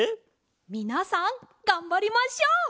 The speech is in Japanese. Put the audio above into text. みなさんがんばりましょう！